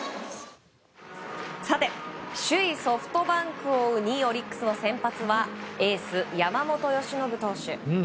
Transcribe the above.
首位ソフトバンクを追う２位、オリックスの先発はエース、山本由伸投手。